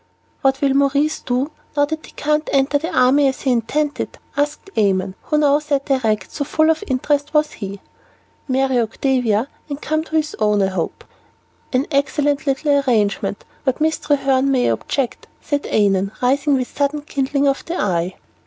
"What will Maurice do, now that he can't enter the army as he intended?" asked Annon, who now sat erect, so full of interest was he. "Marry Octavia, and come to his own, I hope." "An excellent little arrangement, but Miss Treherne may object," said Annon, rising with sudden kindling of the eye.